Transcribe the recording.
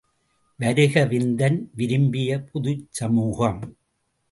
வருக விந்தன் விரும்பிய புதுச்சமூகம்!